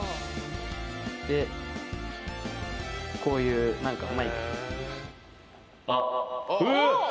でこういう何かマイク。